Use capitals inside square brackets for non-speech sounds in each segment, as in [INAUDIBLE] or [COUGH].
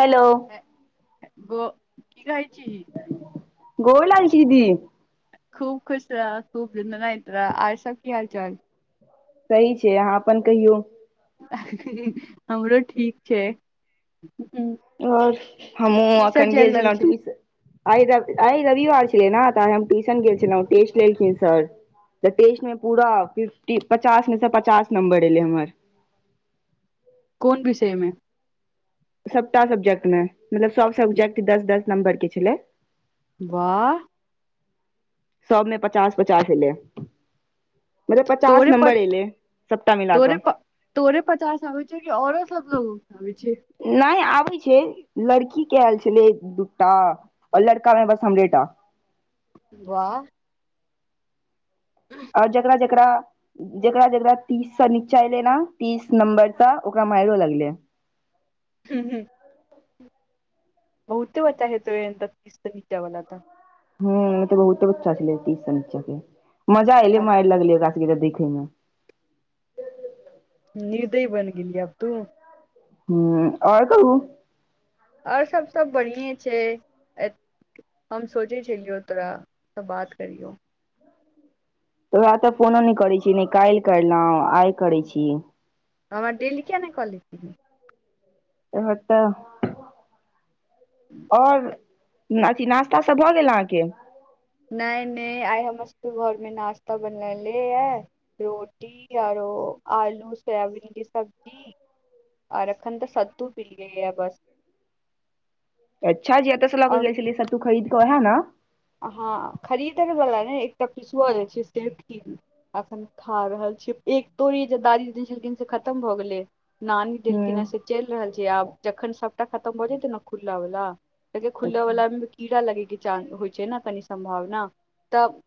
Hello ए -ए -गो की कहे छी ही गोर लागै छी दीदी। खूब खुश रह खूब दन्दनायैत रह, आर सब की हाल- चाल? सही छै अहाँ अपन कहियौ। हमरो ठीक छै और हमहुँ की सब अखन चलि गेल रहल छलहुँ छै टुइस आइ रवि आइ रविवार छलेै न तऽ आइ हम ट्यूशन गेल छलों टेस्ट लेलखिन सर तऽ टेस्ट मे पूरा फिफ्टी पचास मे से पचास नंबर एलेै हमर। कोन विषय मे सबटा सब्जेक्ट मे मतलब सब सब्जेक्ट दस -दस नंबर के छेलै। वाह सबमे पचास -पचास एलै। मतलब पचास तोरे प नंबर एलै सबटा मिला तोरे क प तोरे पचास आबै छ ओ कि औरो सब लोगो के आबै छै? नै आबै छै लड़की के एल छलै एक दूटा और लड़का में बस हमरे टा वाह। [INAUDIBLE] और जेकरा- जेकरा जेकरा- जेकरा तीस स नीचा एले न तीस नंबर सँ ओकरा मारो लगले। हम्म-हम्म बहुते बच्चा हेतौ एहन तऽ तीस स नीचावला तऽ ह तऽ बहुते बच्चा छेलै तीस स नीचा के, मजा एलै आ, मार लगले ओकरा सब के देखेै मे। निर्दय बन गेली अब तू हम्म और कहु और सब-सब बढ़िएँ छै ए हम सोचै छेलियौ तोरा तो बात करियौ तोरा तऽ फोनो नै करै छी नै कायिल करलों आइ करै छी। हमरा डेली किए नै कऽ ले छी? इहो तऽ, और न अथी नास्ता सब भऽ गेल अहाँके नै-नै आइ हमरा सबके घरमे नाश्ता बनाले ए रोटी आरो आलू सोयाबीन के सब्जी आर अखन तऽ सतू पीलियै बस अच्छा जी एत सऽ लक और गेल छेली सतू खरीद क ओहे न हँ खरीदल बला नै एकटा पिसुआ छै से अखन खा रहल छी एक तोरी जे दादी दै छेलखिन से खतम भऽ गेलै। नानी ह देलखिन हैं से चइल रहल छै आब जखन सबटा खतम भऽ जेतै न खुला वाला कियैक अच्छा खुलयबामे कीड़ा लगैके चान्स होइ छै ने, कनि सम्भावना तऽ।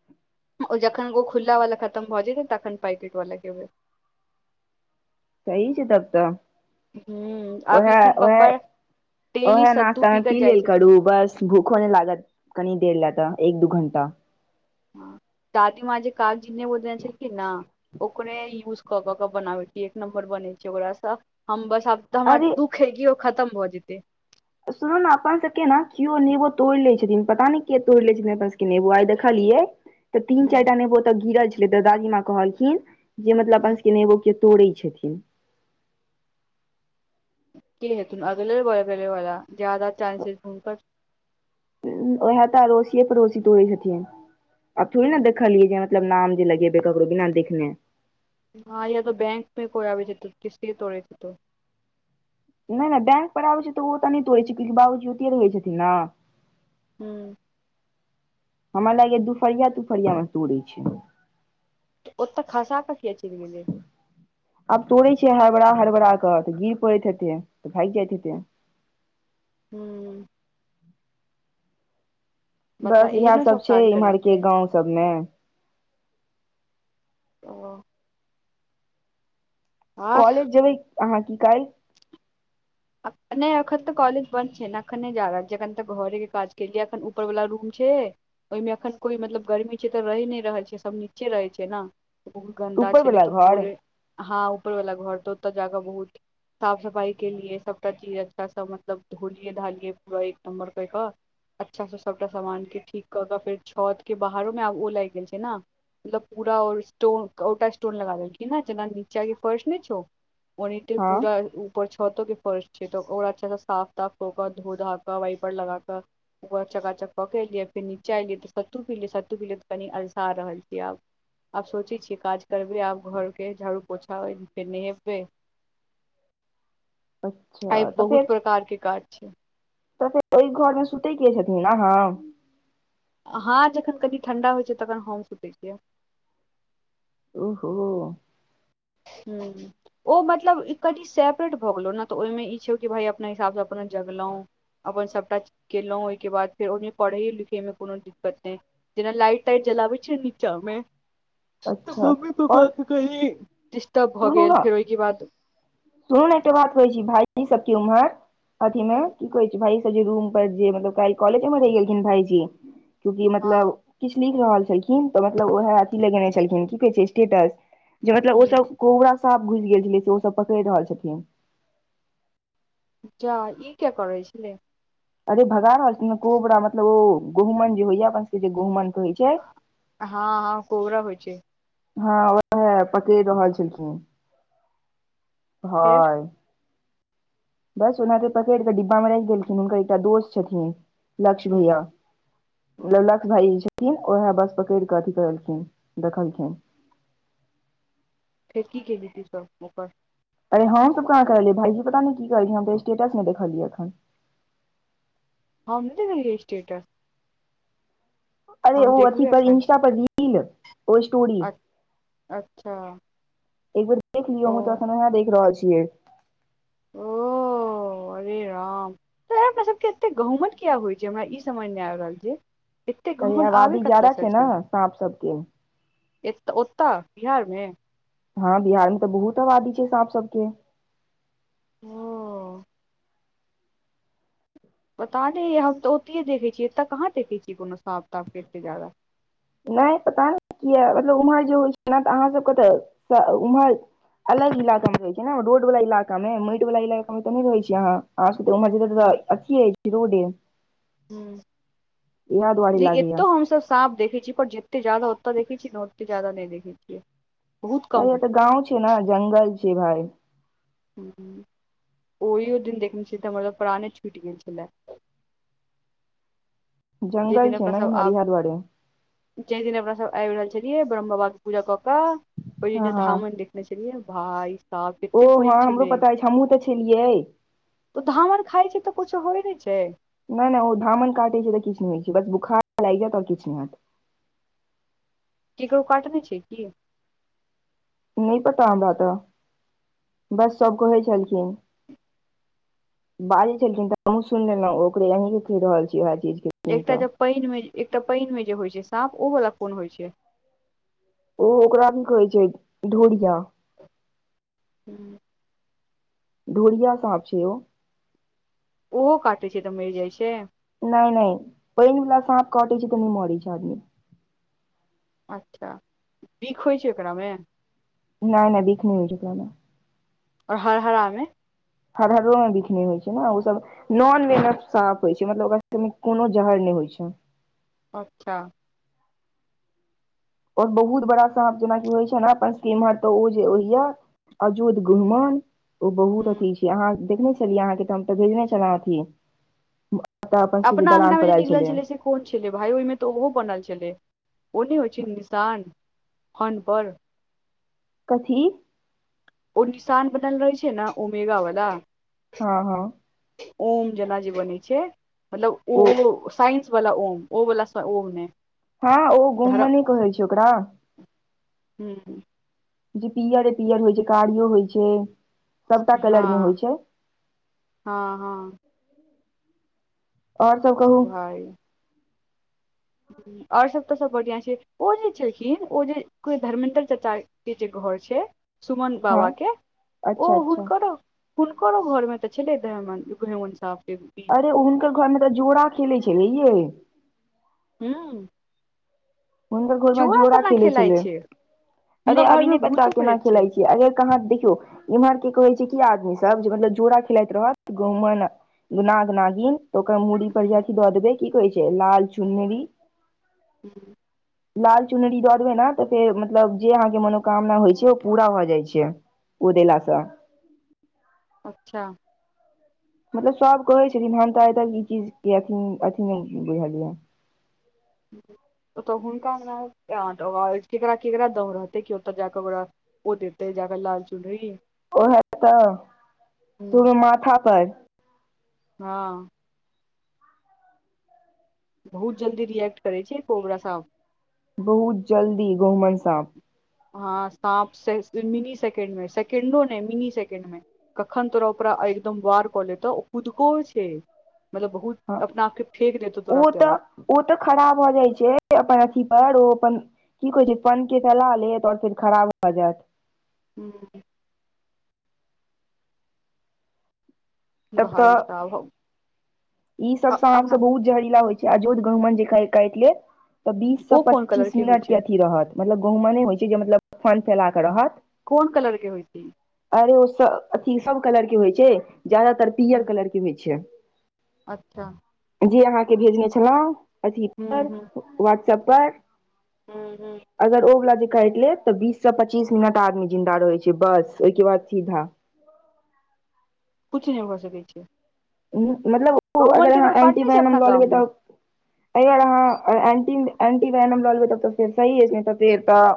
ओ जखन ओ खुल्ला वाला खतम भऽ जेतै, तखन पैकेट वाला खेबै। सही छै तब तऽ ह आब उएह एखन उएह पप्पा डेली उएह सत्तू नास्तामे कऽ पी जाइ लेल छथिन करू बस भूखो नहि लागत कनी देर लेऽ ता एक दू घण्टा हँ, दादीमाँ जे कागजी नेबो देने छलखिन न। ओकरे यूज कऽ कऽ बनाबै छियै, एक नम्बर बनै छै ओकरासँ हम बस। सभ तऽ हमर अरे दुःख छै कि ओ खतम भऽ जेतै। सुनू ने, अपन सभके ने केओ नेबो तोड़ि लै छथिन, पता नहि के तोड़ि लै छथिन, बस। नेबो आइ देखलियै तऽ तीन हम्म, चारि टा नेबो ओतऽ गिरल छलै तऽ दादी माँ कहलखिन जे मतलब हम्म। अपना सभ नेबो केओ तोड़ै छथिन। के हेथून अगले बगले वाला जादा चान्सेस हुनकर ओहे तऽ अड़ोसिए पड़ोसी तोड़े छथिन, आब थोड़ी ने देखलियै ये। मतलब नाम जे लगेबै ककरो बिना देखने हँ या तऽ बैंक पे कोइ आबै छै त किछ किछ तोड़ैत हेतो नहि नहि बैंक पर आबै छै तऽ ओतऽ नहि तोड़ै छै क्यिकी बाबूजी ओते रहै छथिन ने हूँ हमरा लागैये दुपहरिया तूपहरिया में तोड़े छै ओतऽ खसा कऽ किया चलि गेलै आब तोड़े छै हरबरा हरबरा के तऽ गिर पड़ैत हेतै तऽ भागि जाइत हेतै हूँ बता बस इएह एहनो सब छै काज करै इम्हरके छै गामसभमे। ओ आर कॉलेज जेबै अहाँ की काल्हि नहि, एखन तऽ कॉलेज बन्द छै ने, एखन नहि जा रहल छियै। एखन तऽ घरेके काज केलियै, एखन ऊपरवला रूम छै। ओहिमे एखन कोइ मतलब गर्मी छै तऽ रहि नहि रहल छै सभ नीचे रहैत छै ने बहुत गन्दा ऊपर छलै वला त घर भोरे हँ, ऊपरवला घर तऽ ओतऽ जाकऽ बहुत साफ-सफाइ केलियै। सबटा चीज अच्छासँ मतलब धोलियै धालियै पूरा एक नम्बर कय कऽ अच्छासँ सभटा सामानके ठीक कऽ कऽ फेर छतके बाहरोमे आब ओ लागि गेल छै ने मतलब पूरा स्टोन ओ स्टोन लगा देलखिन ने जेना नीचाके फर्श ने छौ ओनाहिते हँ पूरा ऊपर छतोके फर्श छै तऽ ओकरा अच्छासँ साफ-साफ कऽ कऽ धो-धा कऽ वाइपर लगाकऽ। ऊपर चकाचक कऽ कऽ एलियै, फेर नीचाँ एलियै तऽ सत्तू पीलियै। सत्तू पीलियै तऽ कनि अलसा रहल छियै आब। आब सोचै छियै काज करबै आब घरके झाड़ू पोछा फेर नहेबै अच्छा आइ तऽ फेर बहुत प्रकार के काज छै तऽ फेर ओहि घरमे सुतेके छथिन आहा हँ जखन कनि ठण्डा होइत छै तखन हम सुतै छियै ओहो हू ओ मतलब कनि सेपरेट भऽ गेलहुँ ने, तऽ ओहिमे ई छै कि भाय अपना हिसाबसँ अपना जगलहुँ। अपन सभटा केलहुँ, ओहिके बाद फेर ओहिमे पढ़ै-लिखैमे कोनो दिक्कत नहि। जेना लाइट-टाइट जलबै छै नीचामे। त अच्छा मम्मी पापा आओर के कही डिस्टर्ब भऽ सुनू गेल ने फेर ओहिके बाद सुनू ने, एकटा बात कहै छी भायजी, सबके उम्हर अथीमे। कहै छै भाइ सब जे रूम पर जे मतलब कैल कॉलेजे मे रहीये गेन भायजी क्योंकि हँ मतलब किछ लिख रहल छलखिन तऽ मतलब उएह अथी लगेने छलखिन स्टेटस। जे मतलब ओ सब कोबरा सांप घुइस गेल छलै से ओ सब पकइड़ रहल छथिन। जा ई किया करै छलै। अरे भगा रहल छी न, कोबरा मतलब ओ गुमन जे होइया अपन सबके जे गहुमन होइ छै। हँ हँ कोबरा होइ छै। हँ ओ है पकेड़ रहल छलखिन। ह फेर यि बस ओना के पकेड़ कऽ डिब्बा मे राइख देलखिन हुनकर एकटा दोस्त छथिन लक्ष भईया ओ जे लक्ष भाई छथिन ओहे बस पकड़ कऽ अथी करलखिन देखलखिन फेर की केलि तु सब ओकर अरे हमसब कहाँ कहलियै भाईजी पता नयि की केलखिन हम तऽ स्टेटस मे देखलियै एखन। हम नयि लगेलिये स्टेटस अरे- हम ओ- अथी देखबै पर एखन इंस्टा पर रील, ओ स्टोरी अच्छा एक बेर देख लियौ ओ हमो अखन इहा देख रहल छियै। ओ अरे राम, तोरा के सबके एते गहुमत किया होइ छै, हमरा ई समझ मे आइब रहल छै। एतेक अरे गहुमन आबय आबादी ज्यादा कतयसँ ने छै। साँप सबके एत ओत बिहारमे हँ बिहार मे तऽ बहुत आबादी छै साँप सब के। ओ पता नयि हम तऽ ओतहिए देखै छियै एतऽ कहाँ देखै छियै कोनो सांप तापके एते ज्यादा नयि पता ने कए मतलब उम्हर जे होइ छै ने तऽ अहाँ सबके तऽ उम्हर अलग इलाका मे रहै छै ने रोड वाला इलाका मे, माईट वला इलाका मे तऽ नयि रहै छी अहाँ। [INAUDIBLE] अथिये अयि रोडे इएह दुआरे हम्म लागैया ए-एत हमसब सांप देखै छी पर जेते ज्यादा ओत देखै छी न ओते ज्यादा नयि देखै छियै बहुत त ओ कम त गाँव छै ने जंगल छै भाये। हम्म ओहियो दिन देखने छी तऽ मतलब प्राणे छुइट गेल छलै। जे जंगल दिन छै अपना ने सब इम्हर आ इएह दुआरे जे दिन अपना सब एब रहल छलियै ब्रह्म बाबा के पूजा कऽ कऽ ओहि दिन हँ हँ धामन देख छलिय भाय साब ओ हँ हमरो पता अइछ हमहुँ तऽ छलियै। तब धामन खाइ छै तऽ कुछो होइ नयि छै नयि नयि ओ धामन काटै छै तऽ किछ नयि होइ छै बस बोखार लाइग जेयत आर किछ नयि हेत। केकरो काटने छै की नयि पता हमरा तऽ बस सब कहै छलखिन बाजे छलखिन तऽ हमहुँ सुइनलेनउ ओकरे अहीं के खहि रहल छी उहे चीज के एकटा जे पाईन मे एकटा पाईन मे जे होइ छै सांप ओ वाला कोन होइ छै। ओ ओकरा की कहै छै ढोरिया हम्म ढोरिया सांप छै ओ ओहो काटे छै तऽ मइर जाइ छै नयि नयि पइन वला साँप काटे छै त नयि मरे छै आदमी अच्छा बिख होइ छै ओकरामे नै नै बिख नै होइ छै कोनो। और हरहरा मे। हरहरो मे बिख नै होइ छै ने ओ सभ नॉन वेनस सांप होइ छै मतलब ओकरा कोनो जहर नहि होइ छै। अच्छा। और बहुत बड़ा साप जेनाकि होइ छै ने अपन इमहर तऽ ओ जे होइये अजोद गहुमन ओ बहुत हूँ अथि छै। कि अहां देखने छलियै अहां ओहिठाम त बढिया छले अथि। सभटा अपन सबके अपना अंगना दलान मे पर जे आयल निकलल छलैये। छलै से कोन छलै भाय ओहिमे तऽ ओहो बनल छलै ओ नहि होइ छै निशान। फन पर। कथी। ओ निशान बनल रहै छैय नहि ओमेगा वला हाँ हाँ। ओम जना जे बनै छैय मतलब ओ ओ साइंस वला ओम। ओ वला सऽ ओम नै। हाँ ओ धरम गहुंमन कहै छैय ओकरा। हूँ। जे पियरे पियर होइ छै कारिओ होइ छै। सबटा कलर मे होइ हाँ, छै हाँ हाँ। और सब कहु। भाइ और सभ तऽ सब बढ़िआं छै, ओ जे छलखिन ओ जे धर्मेंद्र चच्चा के जे घर छै सुमन हँ बाबा के ओ अच्छा अच्छा हुनकरो हुनकरो घरमे तऽ छलै दहमन गहुंमन साँप। अरे हुनकर घरमे तऽ जोड़ा खेलै छलै यै। हुँ। हुनकर घरमे जोड़ा केना खेले खेलाइ छलैये। छै हुनका अरे घर अभी मे नहि पता भूतो केना प्रेत खेलाइ छै। अगर कहाँ देखियौ इमहर के कहै छै की आदमी सब जे मतलब जोड़ा खेलाइत रहत गहुंमन नाग नागिन ओकर मुड़ी पर जे हूँ, अथि दऽ देबै की कहे छैय लाल चुनरी हूँ। लाल चुनरी दऽ देबै ने तऽ फेर मतलब जे अहाँके मनोकामना होइ छैय ओ पूरा भऽ जाइ छै। ओ देला से। अच्छा। मतलब सब कहे छथिन हम तऽ आइ तक ई चीज के अथि नै बुझलियै हें। ओतय हुनका अंगना ककरा केकरा दौड़ रहतै कि ओतय जा कऽ ओकरा ओ देतेै जाकऽ लाल चूनरी। ओहे तऽ सेहो माथा पर। हाँ। बहुत जल्दी रिएक्ट करै छै कोबरा सांप। बहुत जल्दी गहुंमन साँप। हाँ साँप से मिनी सेकण्डमे, सेकण्डो नै मिनी सेकण्ड मे। कखन तोरा ओकरा एकदम वार कऽ लेतौ कुदको छैय मतलब बहुत हाँ अपना आपके फेेक देतौ तोरा ओ तऽ तरफ ओ तऽ खड़ा भऽ जाइ छै, अपन अथि पर ओ अपन की कहे छैय फन के फैला लेत और फेर खड़ा भऽ जायत। [INAUDIBLE] तब तऽ भाइ साहब [INAUDIBLE] ई सबसँ साँप अपना सब बहुत जहरीला होइ छैय अजोध गहुंमन जे क- काइट लेत त बीस स ओ कोन कलर पच्चीस होइ मिनट के छै अथी रहत। मतलब गहूंमने होइ छैय जे मतलब फन फैला कऽ रहत। कोन कलर के होइ छैय इ? अरे ओ स-सब अथी सब कलर के होइ छैय ज्यादातर पीयर कलर के होइ छैय। अच्छा। जे अहाँके भेजने छलहुँ हूँ अथीपर, हूँ वहाट्सप पर [INAUDIBLE] अगर ओ वला जे काइट लेत तऽ बीस से पच्चीस मिनट आदमी जिन्दा रहै छैय बस ओयके बाद सीधा कुछ नइ भऽ सकै छैय। उहुं- मतलब अगर अहाँ काटने छै एंटीवायनम अपना लऽ गाम लेबय मे तऽ एहि आर अहाँ अए एंटी एंटी वायनम लऽ लेबय तब तऽ फेर सही अइछ नइ तऽ फेर तऽ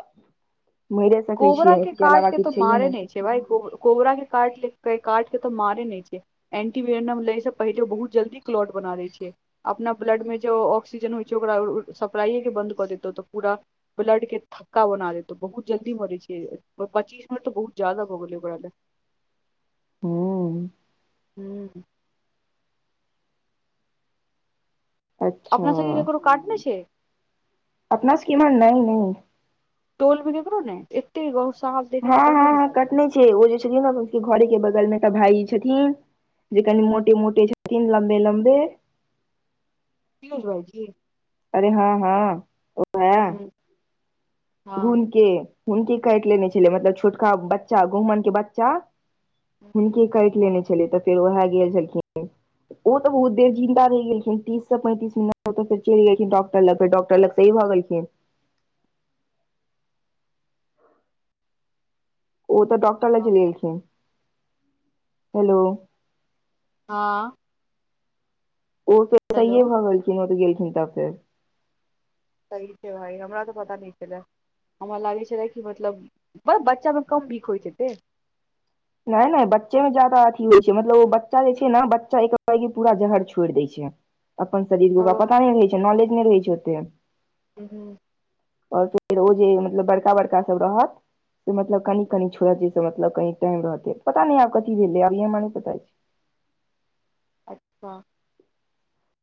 मैइरे सकै छीयै एत् के अलावा किछ छैये नइ। छय् भाय कोब- कोबरा के काट के-काट के तऽ मारे नय छैय। एंटीवियेनम लैय सभ पहिले ओ बहुत जल्दी क्लॉट बना दैय छैैय। अपना ब्लडमे जो ओ-ऑक्सीजन होइ छैय ओकरा ओ-सपलाइएके बन्द कऽ देत ओतऽ पूरा। ब्लड के थऽक्का बना देत ओ बहुत- जल्दी मरै छैय प-पच्चीस मिनट तऽ बहुत जादा भ गेलैय ओकरा लय्- हं- हुं-हुं- अच्छा अपना सबके ककरो काटने छैय? अपना सबके इम्हर, नै- नै- टोल मे ककरो नै? एत्ते गांव शाहस- हं -हं- हं-कटने छैय ओ जे छथिन अप- सबके घरे के बगलमे एकटा भायजी छथिन जे कने मोटे -मोटे छथिन लम्बे- लम्बे पीयुष भाई जी? अरे हं -हं ओहे [INAUDIBLE] हुनके, हुनके काइट लेने छलैय मतलब छोटका बच्चा गहुमन के बच्चा हुनके काइट लेने छलैय तऽ फेर उहैऽ गेल छलखिन। ओ तऽ बहुत देर जिन्दा रैह गेलखिन तीससँ पैंतीस मिनट ओत स चइल गेलखिं डॉक्टर लग फेर डाक्टर लग सही भऽ गेलखिन। ओ तऽ डाॅक्टर लग चइल गेलखिन। हेलो- [INAUDIBLE] ओ त हेलो सहिेए भऽ गेलखिन ओ तऽ गेलखिन तब फेर- सही छैय भाइ हमरा तऽ पता नै छलैय। हमरा लागै छलै कि मतलब ब-बच्चामे कम बीख होइत हेतैय। नै नै बच्चे मे ज्यादा अथी होइ छै मतलब ओ बच्चा जे छैय न बच्चा एकबैगे पुरा जहर छोइड़ दैय छैय। अपन शरीरके ओकरा हूँ पता नै रहैय छैय नॉलेज नै रहैय छैय ओते। हुं- आओर फेर ओ जे मतलब बड़का -बड़का सब रहत, से मतलब कनि कनि छोड़त जैस मतलब कनि टाइम रहते पता नै आब कथी भेलैय हमरा नैपता अइछ। [INAUDIBLE]